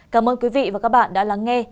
cảm ơn quý vị và các bạn đã lắng nghe